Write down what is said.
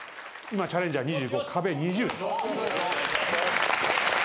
今チャレンジャー２５壁２０。